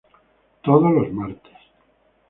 Todos los martes.